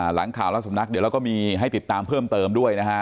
หลังข่าวและสำนักเดี๋ยวเราก็มีให้ติดตามเพิ่มเติมด้วยนะฮะ